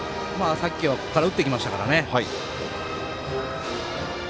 ここから打ってきましたからね。